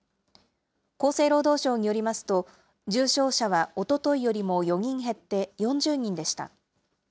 厚生労働省によりますと、重症者はおとといよりも４人減って４０人でした。